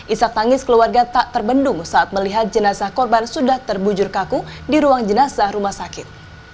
isak tangis keluarga tak terbendung saat melihat jenazah korban sudah terbujur kaku di ruang jenazah rumah sakit